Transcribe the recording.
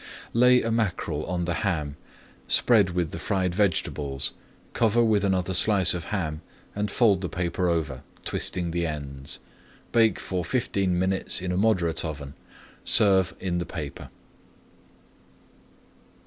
Lay a mackerel on the ham, spread with the fried vegetables, cover with another slice of ham, and fold the paper over, twisting the ends. Bake for fifteen minutes in a moderate oven. Serve in the paper.